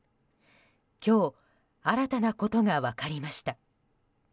今日新たなことが分かりました。